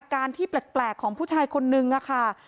การที่แปลกของผู้ชายคนนึงค่ะ